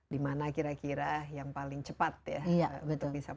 gimana kira kira yang paling cepat ya